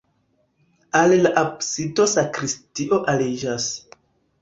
Al la absido sakristio aliĝas.